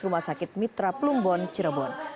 rumah sakit mitra plumbon cirebon